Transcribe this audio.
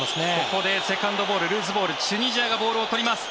ここでセカンドボールルーズボールチュニジアがボールを取ります。